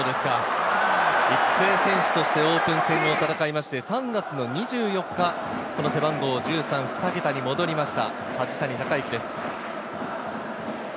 育成選手としてオープン戦を戦いまして、３月２４日、背番号１３、２桁に戻りました、梶谷隆幸です。